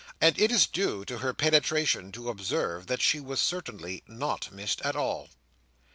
And it is due to her penetration to observe that she certainly was not missed at all.